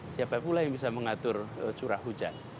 siapa pula yang bisa mengatur curah hujan